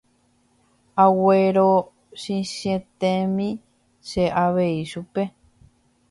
aguerochichĩetémi che avei chupe